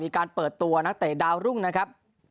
มีการเปิดตัวนักเตะดาวรุ่งนะครับ